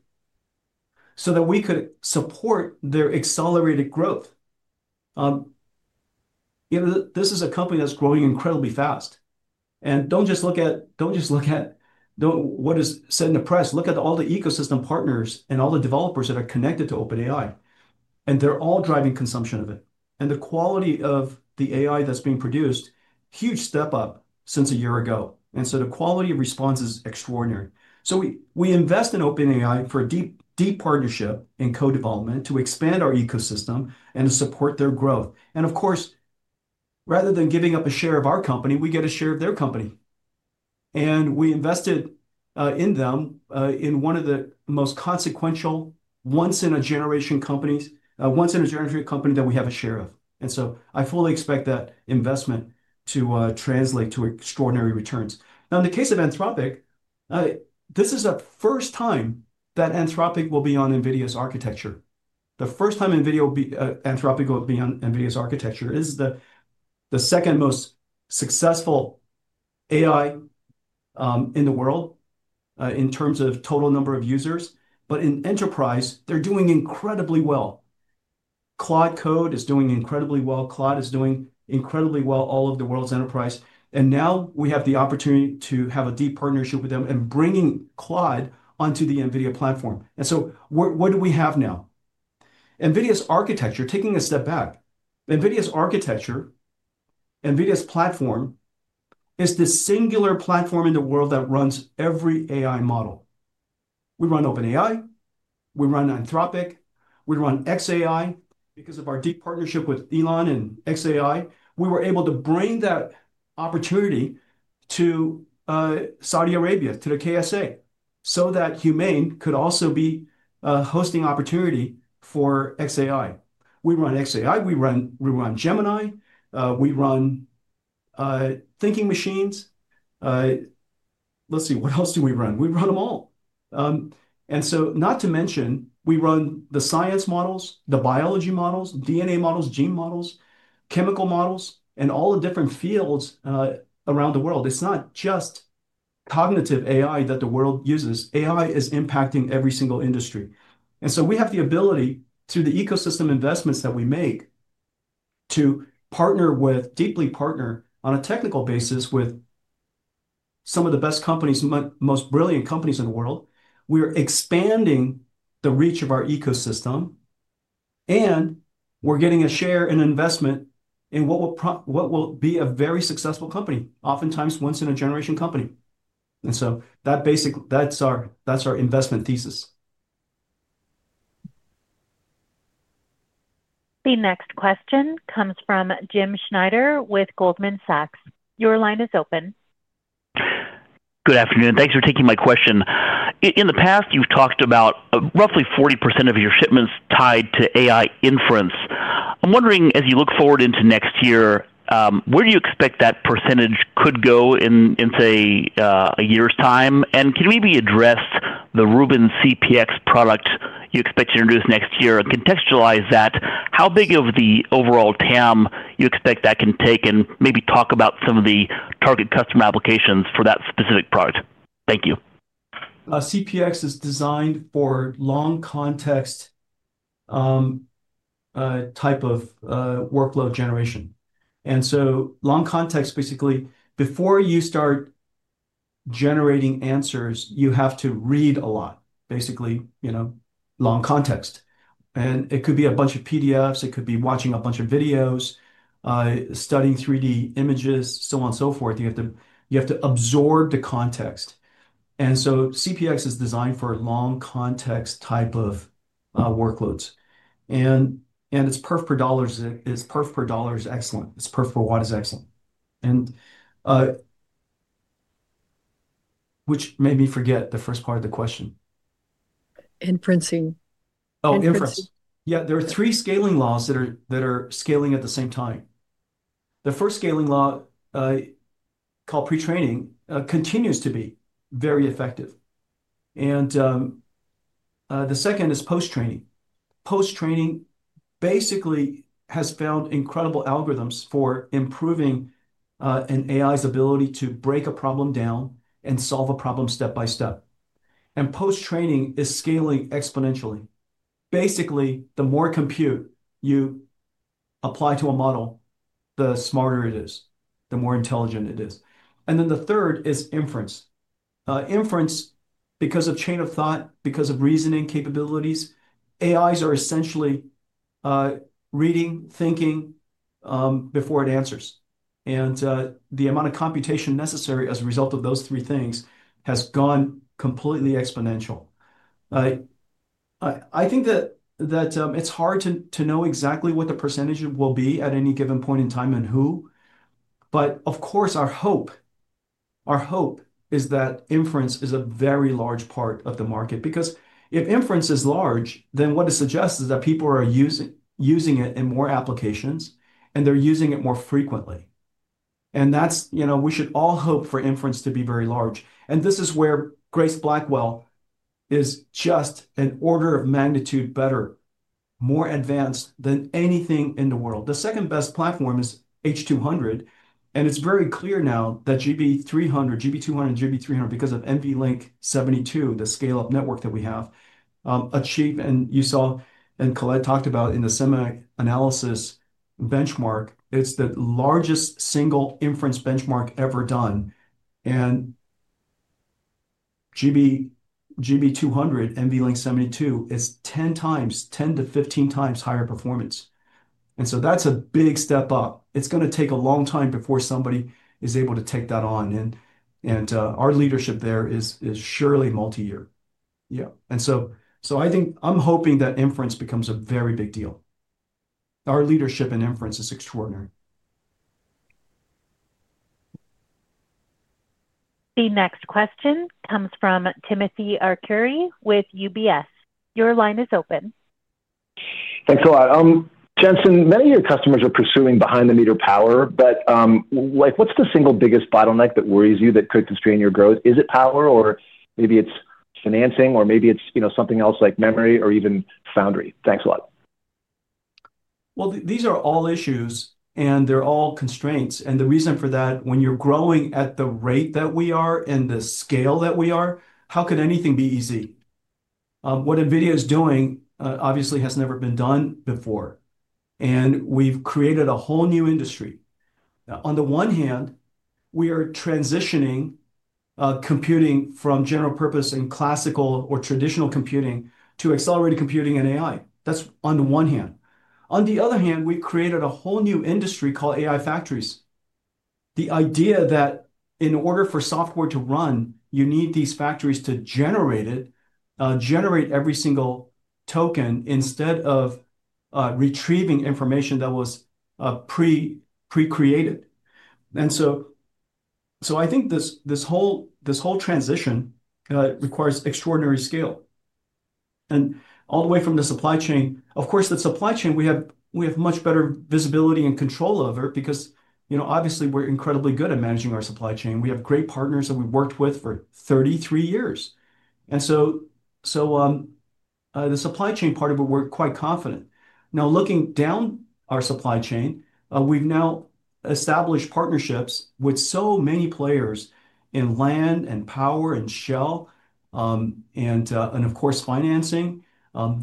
so that we could support their accelerated growth. This is a company that's growing incredibly fast. Do not just look at what is said in the press. Look at all the ecosystem partners and all the developers that are connected to OpenAI. They are all driving consumption of it. The quality of the AI that is being produced is a huge step up since a year ago. The quality of response is extraordinary. We invest in OpenAI for a deep partnership in co-development to expand our ecosystem and to support their growth. Of course, rather than giving up a share of our company, we get a share of their company. We invested in them in one of the most consequential once-in-a-generation companies, once-in-a-generation company that we have a share of. I fully expect that investment to translate to extraordinary returns. Now, in the case of Anthropic, this is the first time that Anthropic will be on NVIDIA's architecture. The 1st time Anthropic will be on NVIDIA's architecture is the 2nd most successful AI in the world in terms of total number of users. In enterprise, they're doing incredibly well. Claude Code is doing incredibly well. Claude is doing incredibly well all over the world's enterprise. Now we have the opportunity to have a deep partnership with them and bringing Claude onto the NVIDIA platform. What do we have now? NVIDIA's architecture, taking a step back, NVIDIA's architecture, NVIDIA's platform is the singular platform in the world that runs every AI model. We run OpenAI. We run Anthropic. We run xAI because of our deep partnership with Elon and xAI. We were able to bring that opportunity to Saudi Arabia, to the KSA, so that HUMAIN could also be hosting opportunity for xAI. We run xAI. We run Gemini. We run Thinking Machines. Let's see, what else do we run? We run them all. Not to mention, we run the Science Models, the Biology Models, DNA Models, Gene Models, Chemical Models, and all the different fields around the world. It's not just Cognitive AI that the world uses. AI is impacting every single industry. We have the ability, through the ecosystem investments that we make, to partner with, deeply partner on a technical basis with some of the best companies, most brilliant companies in the world. We are expanding the reach of our ecosystem, and we're getting a share and investment in what will be a very successful company, oftentimes once-in-a-generation company. That's our investment thesis. The next question comes from Jim Schneider with Goldman Sachs. Your line is open. Good afternoon. Thanks for taking my question. In the past, you've talked about roughly 40% of your shipments tied to AI Inference. I'm wondering, as you look forward into next year, where do you expect that percentage could go in, say, a year's time? Can you maybe address the Rubin CPX product you expect to introduce next year and contextualize that? How big of the overall TAM you expect that can take and maybe talk about some of the target customer applications for that specific product? Thank you. CPX is designed for long-context type of workload generation. Long-context, basically, before you start generating answers, you have to read a lot, basically long-context. It could be a bunch of PDFs. It could be watching a bunch of videos, studying 3D images, so on and so forth. You have to absorb the context. CPX is designed for long-context type of workloads. It's Perf per dollars. Its Perf per dollar is excellent. Its Perf per watt is excellent. Which made me forget the 1st part of the question. Inferencing. Oh, Inference. Yeah. There are three scaling laws that are scaling at the same time. The 1st scaling law called Pre-training continues to be very effective. And the 2nd is Post-training. Post-training basically has found incredible algorithms for improving an AI's ability to break a problem down and solve a problem step by step. And Post-training is scaling exponentially. Basically, the more compute you apply to a model, the smarter it is, the more intelligent it is. And then the 3rd is Inference. Inference, because of chain of thought, because of reasoning capabilities, AIs are essentially reading, thinking before it answers. The amount of computation necessary as a result of those three things has gone completely exponential. I think that it's hard to know exactly what the percentage will be at any given point in time and who. Of course, our hope is that Inference is a very large part of the market. If Inference is large, then what it suggests is that people are using it in more applications, and they're using it more frequently. We should all hope for Inference to be very large. This is where Grace Blackwell is just an order of magnitude better, more advanced than anything in the world. The 2nd best platform is H200. It's very clear now that GB300, GB200, and GB300, because of NVLink 72, the scale-up network that we have achieved, and you saw and Colette talked about in the Semi-analysis Benchmark, it's the Largest Single Inference Benchmark ever done. GB200, NVLink 72, is 10 times, 10-15 times higher Performance. That is a big step up. It is going to take a long time before somebody is able to take that on. Our leadership there is surely multi-year. Yeah. I think I am hoping that Inference becomes a very big deal. Our leadership in Inference is extraordinary. The next question comes from Timothy Arcuri with UBS. Your line is open. Thanks a lot. Jensen, many of your customers are pursuing behind-the-meter power. What is the single biggest bottleneck that worries you that could constrain your growth? Is it power, or maybe it is financing, or maybe it is something else like memory or even foundry? Thanks a lot. These are all issues, and they are all constraints. The reason for that, when you're growing at the rate that we are and the scale that we are, how could anything be easy? What NVIDIA is doing, obviously, has never been done before. We have created a whole new industry. On the one hand, we are transitioning computing from general-purpose and classical or traditional computing to Accelerated Computing and AI. That's on the one hand. On the other hand, we created a whole new industry called AI factories. The idea that in order for software to run, you need these factories to generate it, generate every single token instead of retrieving information that was pre-created. I think this whole transition requires extraordinary scale. All the way from the supply chain, of course, the supply chain, we have much better visibility and control over it because, obviously, we're incredibly good at managing our supply chain. We have great partners that we've worked with for 33 years. The supply chain part of it, we're quite confident. Now, looking down our supply chain, we've now established partnerships with so many players in land and power and shell and, of course, financing. None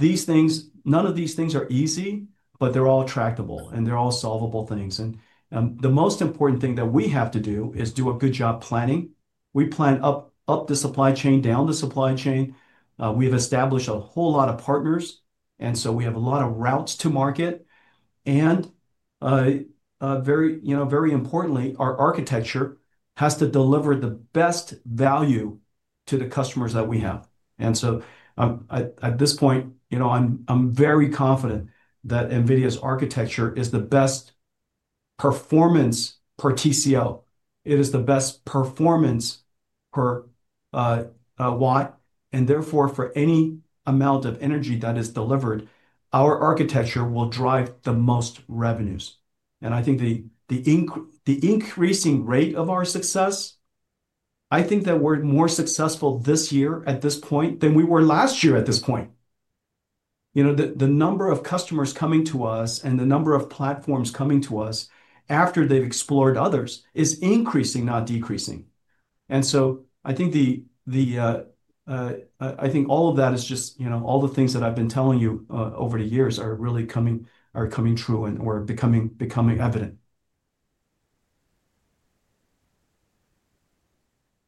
of these things are easy, but they're all tractable, and they're all solvable things. The most important thing that we have to do is do a good job planning. We plan up the supply chain, down the supply chain. We have established a whole lot of partners. We have a lot of routes to market. Very importantly, our architecture has to deliver the best value to the customers that we have. At this point, I'm very confident that NVIDIA's architecture is the best Performance per TCO. It is the best Performance per watt, and therefore, for any amount of energy that is delivered, our architecture will drive the most revenues. I think the increasing rate of our success, I think that we're more successful this year at this point than we were last year at this point. The number of customers coming to us and the number of platforms coming to us after they've explored others is increasing, not decreasing. I think all of that is just all the things that I've been telling you over the years are really coming true and are becoming evident.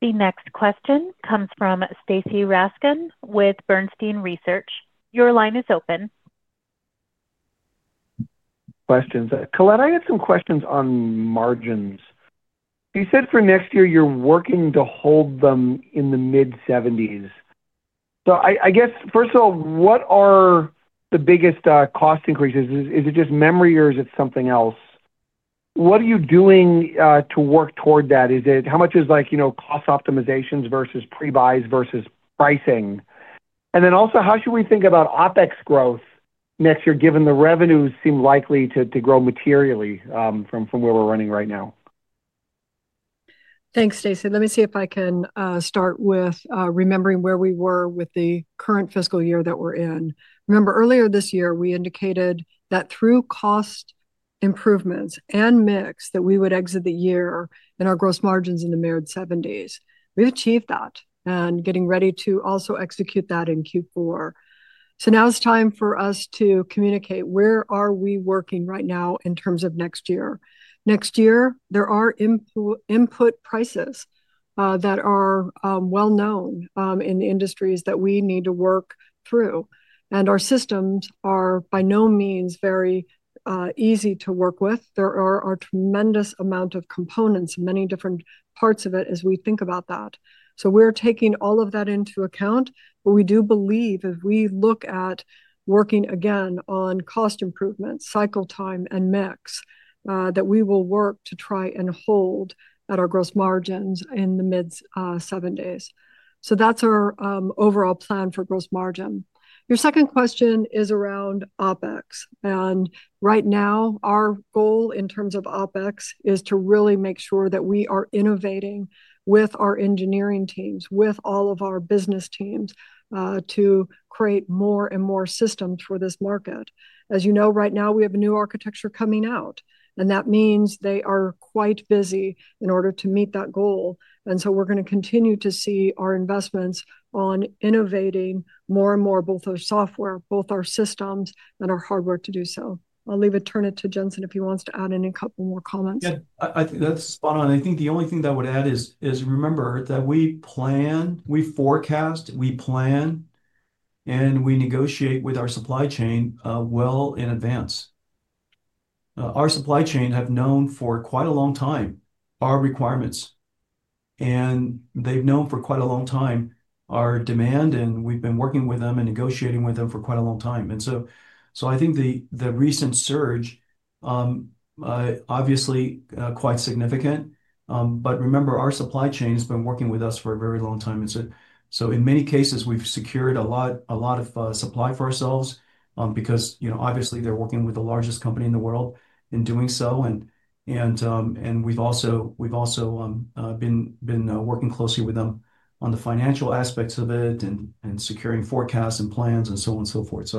The next question comes from Stacy Rasgon with Bernstein Research. Your line is open. Questions. Colette, I have some questions on margins. You said for next year, you're working to hold them in the mid-70s. I guess, first of all, what are the biggest cost increases? Is it just memory, or is it something else? What are you doing to work toward that? How much is Cost Optimizations versus pre-buys versus pricing? Also, how should we think about OpEx growth next year, given the revenues seem likely to grow materially from where we're running right now? Thanks, Stacy. Let me see if I can start with remembering where we were with the current fiscal year that we're in. Remember, earlier this year, we indicated that through cost improvements and mix that we would exit the year and our gross margins in the mid-70s. We've achieved that and getting ready to also execute that in Q4. Now it's time for us to communicate where are we working right now in terms of next year. Next year, there are input prices that are well-known in the industries that we need to work through. Our systems are by no means very easy to work with. There are a tremendous amount of components, many different parts of it, as we think about that. We are taking all of that into account. We do believe, as we look at working again on cost improvements, cycle time, and mix, that we will work to try and hold at our gross margins in the mid-70%. That is our overall plan for gross margin. Your 2nd question is around OpEx. Right now, our goal in terms of OpEx is to really make sure that we are innovating with our Engineering teams, with all of our business teams to create more and more systems for this market. As you know, right now, we have a new architecture coming out. That means they are quite busy in order to meet that goal. We're going to continue to see our investments on innovating more and more, both our software, both our systems, and our hardware to do so. I'll leave it turned to Jensen if he wants to add any couple more comments. Yeah. That's spot on. I think the only thing that I would add is remember that we plan, we forecast, we plan, and we negotiate with our supply chain well in advance. Our supply chain has known for quite a long time our requirements. And they've known for quite a long time our demand. We've been working with them and negotiating with them for quite a long time. I think the recent surge, obviously, quite significant. Remember, our supply chain has been working with us for a very long time. In many cases, we've secured a lot of supply for ourselves because, obviously, they're working with the largest company in the world in doing so. We've also been working closely with them on the financial aspects of it and securing forecasts and plans and so on and so forth.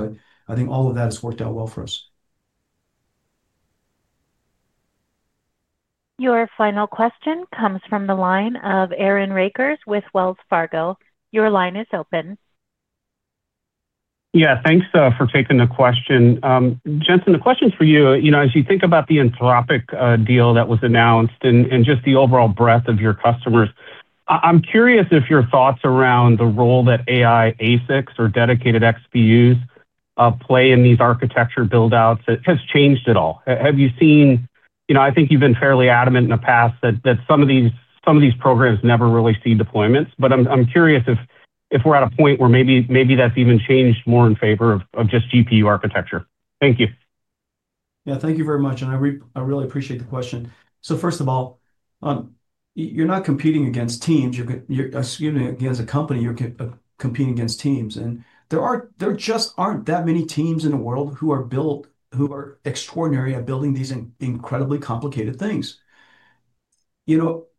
I think all of that has worked out well for us. Your final question comes from the line of Aaron Rakers with Wells Fargo. Your line is open. Yeah. Thanks for taking the question. Jensen, the question for you, as you think about the Anthropic deal that was announced and just the overall breadth of your customers, I'm curious if your thoughts around the role that AI ASICs or dedicated XPUs play in these architecture buildouts has changed at all. Have you seen? I think you've been fairly adamant in the past that some of these programs never really see deployments. I'm curious if we're at a point where maybe that's even changed more in favor of just GPU architecture. Thank you. Thank you very much. I really appreciate the question. First of all, you're not competing against teams. Excuse me. Again, as a company, you're competing against teams. There just aren't that many teams in the world who are extraordinary at building these incredibly complicated things.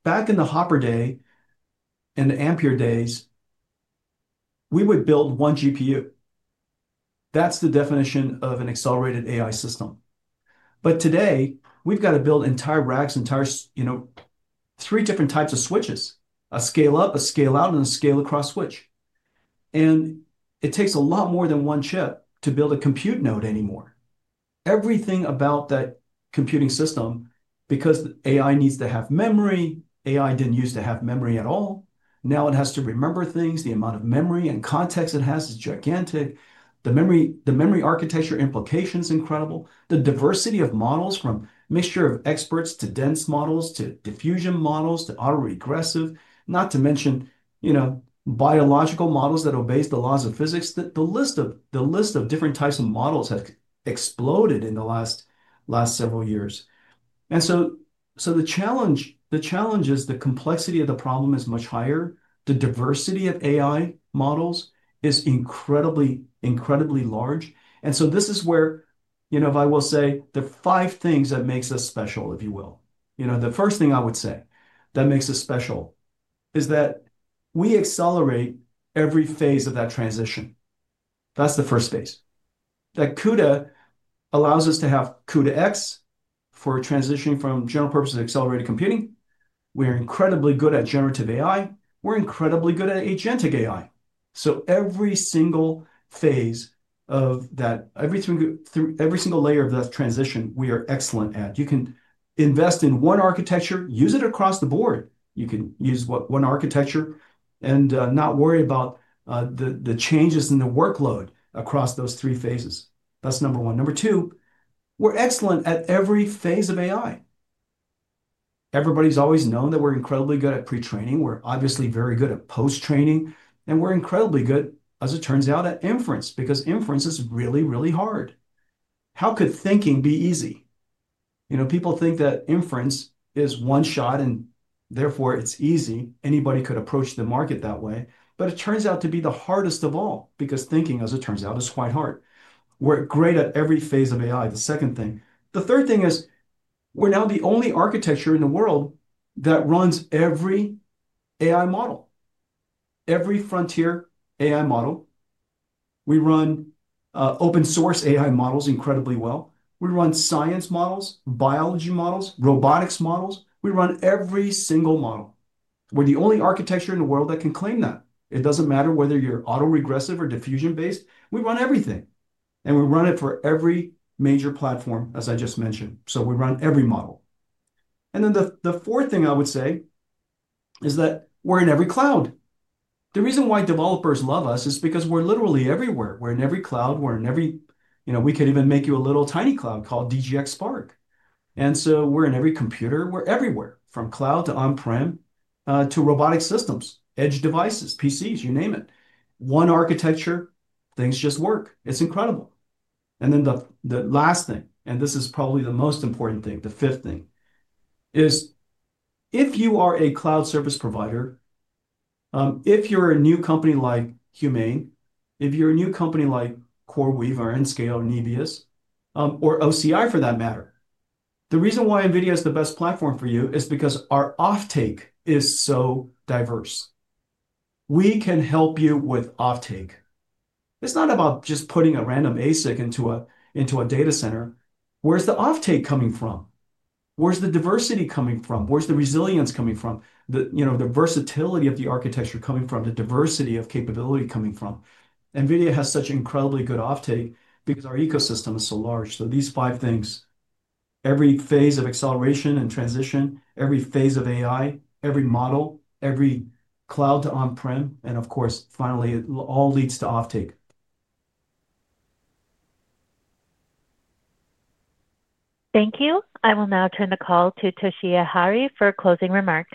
Back in the Hopper day and the Ampere days, we would build one GPU. That's the definition of an Accelerated AI system. Today, we've got to build entire racks, entire three different types of switches: a Scale-up, a Scale-out, and a Scale-across switch. It takes a lot more than one chip to build a compute node anymore. Everything about that computing system, because AI needs to have memory, AI didn't used to have memory at all. Now it has to remember things. The amount of memory and context it has is gigantic. The memory architecture implication is incredible. The diversity of models from a mixture of experts to dense models to diffusion models to autoregressive, not to mention biological models that obey the Laws of Physics. The list of different types of models has exploded in the last several years. The challenge is the complexity of the problem is much higher. The diversity of AI models is incredibly large. This is where, if I will say, the five things that make us special, if you will. The 1st thing I would say that makes us special is that we accelerate every phase of that transition. That's the 1st phase. That CUDA allows us to have CUDA-X for transitioning from general-purpose to Accelerated Computing. We are incredibly good at Generative AI. We're incredibly good at Agentic AI. Every single phase of that, every single layer of that transition, we are excellent at. You can invest in one architecture, use it across the board. You can use one architecture and not worry about the changes in the workload across those three phases. That's number one. Number two, we're excellent at every phase of AI. Everybody's always known that we're incredibly good at pretraining. We're obviously very good at Post-training. And we're incredibly good, as it turns out, at Inference because Inference is really, really hard. How could thinking be easy? People think that Inference is one shot, and therefore, it's easy. Anybody could approach the market that way. But it turns out to be the hardest of all because thinking, as it turns out, is quite hard. We're great at every phase of AI, the 2nd thing. The third thing is we're now the only architecture in the world that runs every AI model, every frontier AI model. We run open-source AI models incredibly well. We run Science Models, Biology Models, Robotics Models. We run every single model. We're the only architecture in the world that can claim that. It doesn't matter whether you're autoregressive or diffusion-based. We run everything. We run it for every major platform, as I just mentioned. We run every model. The 4th thing I would say is that we're in every cloud. The reason why developers love us is because we're literally everywhere. We're in every cloud. We're in every—we could even make you a little tiny cloud called DGX Spark. We're in every computer. We're everywhere, from cloud to On-prem to Robotic Systems, Edge Devices, PCs, you name it. One architecture, things just work. It's incredible. The last thing, and this is probably the most important thing, the 5th thing, is if you are a cloud service provider, if you're a new company like HUMAIN, if you're a new company like CoreWeave or Nscale or Nebius, or OCI for that matter, the reason why NVIDIA is the best platform for you is because our offtake is so diverse. We can help you with offtake. It's not about just putting a random ASIC into a Data Center. Where's the offtake coming from? Where's the diversity coming from? Where's the resilience coming from? The versatility of the architecture coming from, the diversity of capability coming from. NVIDIA has such incredibly good offtake because our ecosystem is so large. So these five things, every phase of acceleration and transition, every phase of AI, every model, every cloud to On-prem, and of course, finally, it all leads to offtake. Thank you. I will now turn the call to Toshiya Hari for closing remarks.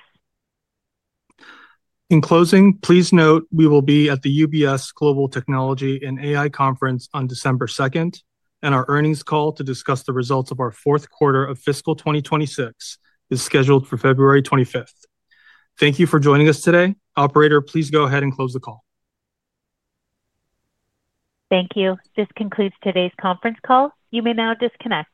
In closing, please note we will be at the UBS Global Technology and AI Conference on December 2nd. And our earnings call to discuss the results of our 4th quarter of fiscal 2026 is scheduled for February 25th. Thank you for joining us today. Operator, please go ahead and close the call. Thank you. This concludes today's conference call. You may now disconnect.